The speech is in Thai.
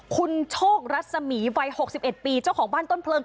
คุณโชครัศมีวัย๖๑ปีเจ้าของบ้านต้นเพลิง